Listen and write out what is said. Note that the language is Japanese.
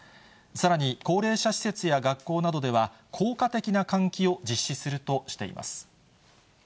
さらに、高齢者施設や学校などでは、効果的な換気を実施するとしています。